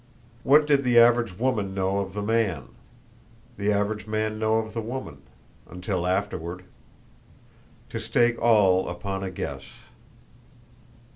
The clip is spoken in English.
What did the average woman know of the man, the average man know of the woman until afterward? To stake all upon a guess!